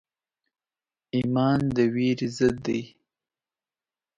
ایمان د ویرې ضد دی.